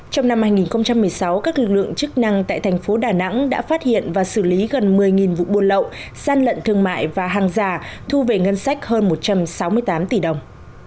trong năm hai nghìn một mươi sáu các lực lượng chức năng tại thành phố đà nẵng đã phát hiện và xử lý gần một mươi vụ buôn lậu gian lận thương mại và hàng giả thu về ngân sách hơn một trăm sáu mươi tám tỷ đồng